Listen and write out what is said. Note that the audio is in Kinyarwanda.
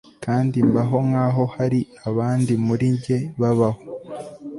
Kandi mbaho nkaho hari abandi muri njye babaho